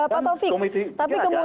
pak taufik tapi kemudian